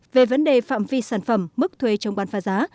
về vấn đề phạm vi sản phẩm mức thuê chống bán phá giá